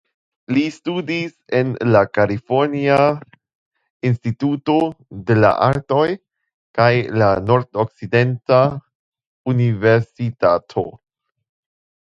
Li studis en la Kalifornia Instituto de la Artoj kaj la Nordokcidenta Universitato.